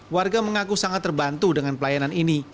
warga mengaku sangat terbantu dengan pelayanan ini